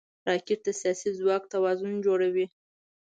راکټ د سیاسي ځواک توازن جوړوي